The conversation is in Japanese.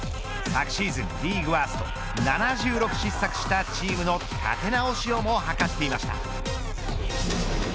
昨シーズン、リーグワースト７６失策したチームの立て直しを図っていました。